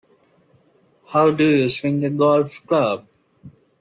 How do you swing a golf club?